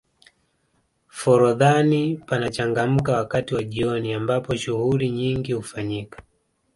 forodhani panachangamka wakati wa jioni ambapo shughuli nyingi hufanyika